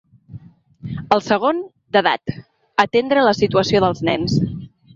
El segon, d’edat: atendre la situació dels nens.